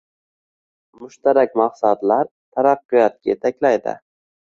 Mushtarak maqsadlar taraqqiyotga yetaklaydi